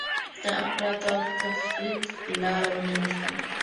د افراط او تفریط لاره ونه نیسو.